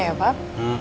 iya juga ya pap